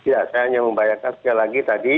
ya saya hanya membayangkan sekali lagi tadi